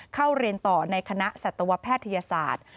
เข้าเรียนต่อในคณะสัตวแพทยศาสตร์